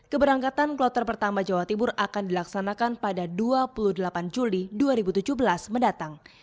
keberangkatan kloter pertama jawa timur akan dilaksanakan pada dua puluh delapan juli dua ribu tujuh belas mendatang